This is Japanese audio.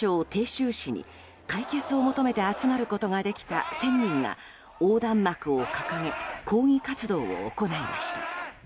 鄭州市に解決を求めて集まることができた１０００人が横断幕を掲げ抗議活動を行いました。